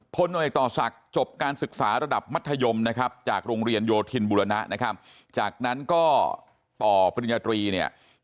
พลนกต่อศักดิ์จบการศึกษาระดับมัธยมจากโรงเรียนโยธินบุรณะจากนั้นก็ต่อภฤษฎี